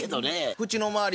口の周り